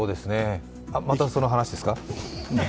またその話ですか？